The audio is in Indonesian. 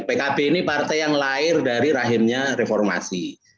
pkb ini partai yang lahir dari rahimnya reformasi